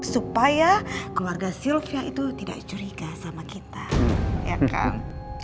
supaya keluarga sylvia itu tidak curiga sama kita